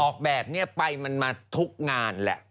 ออกแบบนี้ไปมันมาทุกงานแหละ